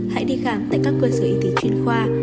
hãy đi khám tại các cơ sở y tế chuyên khoa